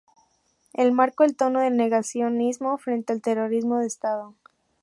El marcó el tono del negacionismo frente al Terrorismo de Estado.